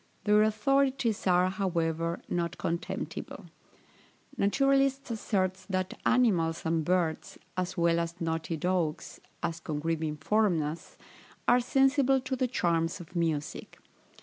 Their authorities are, however, not contemptible. Naturalists assert that animals and birds, as well as "knotted oaks," as Congreve informs us, are sensible to the charms of music.